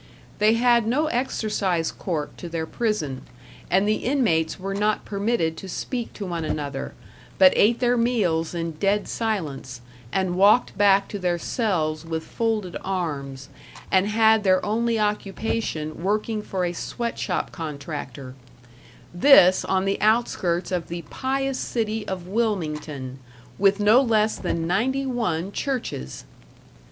They had no exercise court to their prison, and the inmates were not permitted to speak to one another, but ate their meals in dead silence, and walked back to their cells with folded arms, and had their only occupation working for a sweat shop contractor; this on the outskirts of the pious city of Wilmington, with no less than ninety one churches!